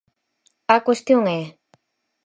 A cuestión é: